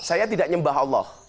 saya tidak nyembah allah